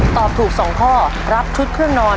ตอบถูก๒ข้อรับชุดเครื่องนอน